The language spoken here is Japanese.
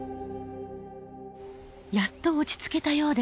やっと落ち着けたようです。